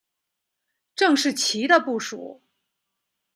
郑士琦的部属。